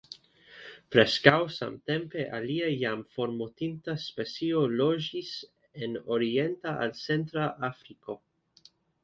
Preskaŭ samtempe, alia jam formortinta specio loĝis en orienta al centra Afriko.